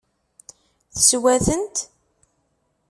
Teswa-tent?